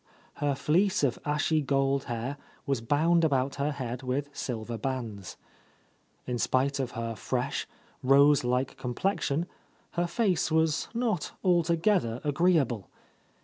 Her fleece of ashy gold hair was bound about her head with silver bands. In spite of her fresh, rose like complexion, her face was not altogether agreeable.